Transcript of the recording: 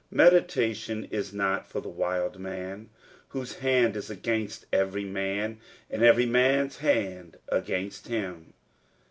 Meditation is not for the wild man, whose hand is against every man, and every man's hand against him.